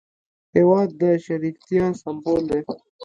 هېواد د شریکتیا سمبول دی.